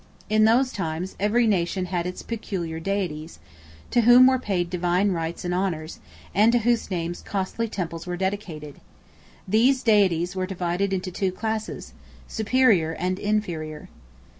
In those times, every nation had its peculiar deities, to whom were paid divine rites and honors, and to whose names costly temples were dedicated: these deities were divided into two classes, superior and inferior.